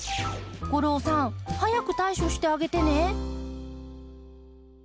吾郎さん早く対処してあげてね！